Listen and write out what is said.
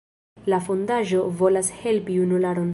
La fondaĵo volas helpi junularon.